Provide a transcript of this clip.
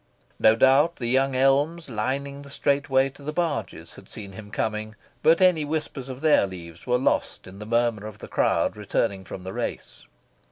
No doubt, the young elms lining the straight way to the barges had seen him coming; but any whispers of their leaves were lost in the murmur of the crowd returning from the race.